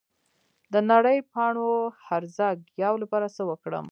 د نرۍ پاڼو هرزه ګیاوو لپاره څه وکړم؟